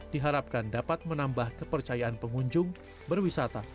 diharapkan dapat menambah kepercayaan pengunjung berwisata